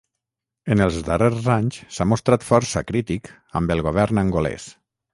En els darrers anys s'ha mostrat força crític amb el govern angolès.